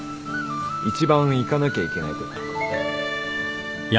一番行かなきゃいけないとこ。